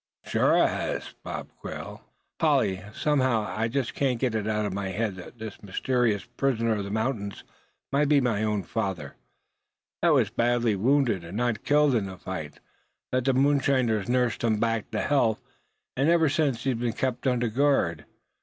"Sure I has, Bob Quail," replied the girl. "Polly, somehow I just can't get it out of my head that this mysterious prisoner of the mountains might be my own father; that he was badly wounded, and not killed in that fight; that the moonshiners nursed him back to health; and ever since he's been kept under guard.